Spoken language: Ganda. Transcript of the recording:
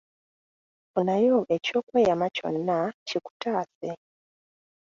Funayo ekyokweyama kyonna kikutaase.